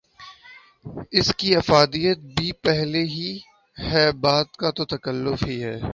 اس کی افادیت بھی پہلے ہی ہے، بعد کا تو تکلف ہی ہے۔